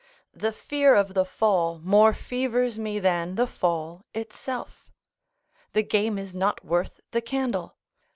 The fear of the fall more fevers me than the fall itself. The game is not worth the candle.